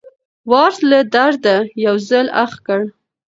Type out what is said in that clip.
وارث له درده یو ځل اخ کړ.